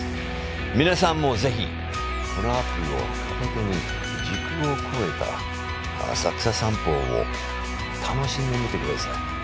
皆さんもぜひ、このアプリを片手に時空を超えた浅草散歩を楽しんでみてください。